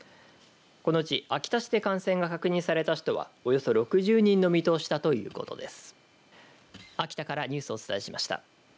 このうち秋田市で感染が確認された人はおよそ６０人の見通しだということです。